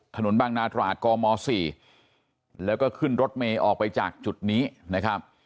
ถนนบางนาตราดกม๔แล้วก็ขึ้นรถเมย์ออกไปจากจุดนี้นะครับ